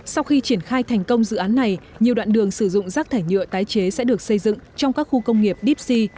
sau khi triển khai thành công dự án này nhiều đoạn đường sử dụng rác thải nhựa tái chế sẽ được xây dựng trong các khu công nghiệp dipsy